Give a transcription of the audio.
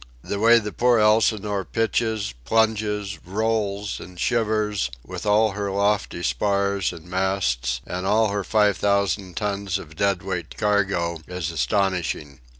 The way the poor Elsinore pitches, plunges, rolls, and shivers, with all her lofty spars and masts and all her five thousand tons of dead weight cargo, is astonishing.